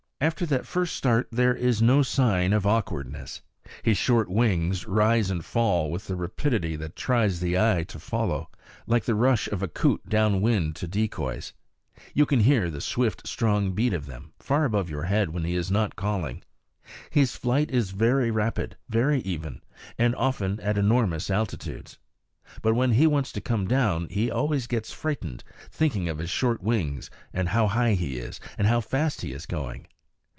After that first start there is no sign of awkwardness. His short wings rise and fall with a rapidity that tries the eye to follow, like the rush of a coot down wind to decoys. You can hear the swift, strong beat of them, far over your head, when he is not calling. His flight is very rapid, very even, and often at enormous altitudes. But when he wants to come down he always gets frightened, thinking of his short wings, and how high he is, and how fast he is going.